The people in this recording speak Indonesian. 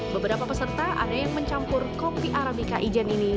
beberapa peserta ada yang mencampur kopi arabica ijen ini